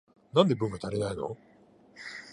なんで文が足りないの？